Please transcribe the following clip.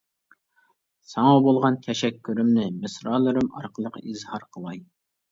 ساڭا بولغان تەشەككۈرۈمنى مىسرالىرىم ئارقىلىق ئىزھار قىلاي.